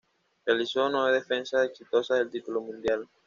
Realizó nueve defensas exitosas del título mundial.